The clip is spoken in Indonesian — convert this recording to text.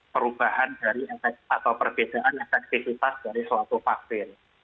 perubahan dari efek atau perbedaan efektivitas dari suatu vaksin